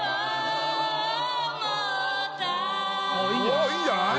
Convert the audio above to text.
おっいいんじゃない？